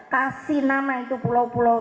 kasih nama itu pulau pulau